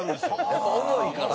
やっぱ重いから。